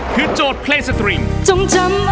คือโจทย์เพลงสตริงจำ